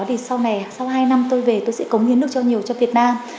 thì sau này sau hai năm tôi về tôi sẽ cống hiến được cho nhiều cho việt nam